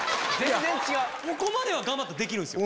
ここまでは頑張ってできるんすよ。